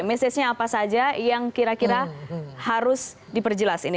mesejnya apa saja yang kira kira harus diperjelas ini